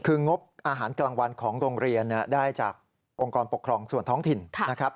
คืองบอาหารกลางวันของโรงเรียนได้จากองค์กรปกครองส่วนท้องถิ่นนะครับ